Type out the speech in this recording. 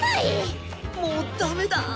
もうダメだ。